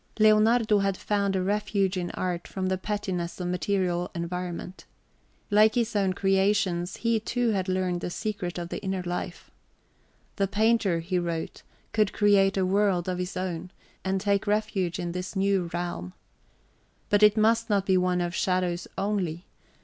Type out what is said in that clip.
{xx} Leonardo had found a refuge in art from the pettiness of material environment. Like his own creations, he, too, had learned the secret of the inner life. The painter, he wrote, could create a world of his own, and take refuge in this new realm. But it must not be one of shadows only.